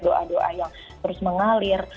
doa doa yang terus mengalir